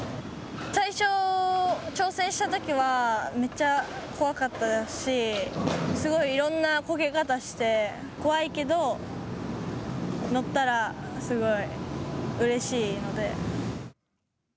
最初、挑戦したときはめっちゃ怖かったしすごい、いろんなこけ方をして怖いけど、乗ったらすごいうれしいので。